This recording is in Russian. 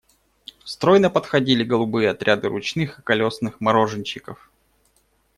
Стройно подходили голубые отряды ручных и колесных мороженщиков.